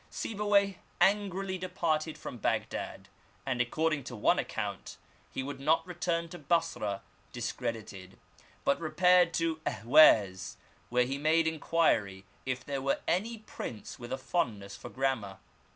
Sibuwayh angrily departed from Bagdad, and, according to one account, he would not return to Basra discredited, but repaired to Ahwaz, where he made inquiry if there were any prince with a fondness for grammar.